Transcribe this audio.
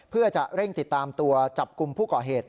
เพื่อจะเร่งติดตามตัวจับกลุ่มผู้ก่อเหตุ